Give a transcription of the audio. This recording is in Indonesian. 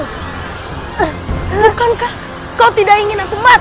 bukankah kau tidak ingin aku mati